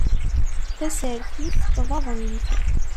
Tasertit n tbaḍnit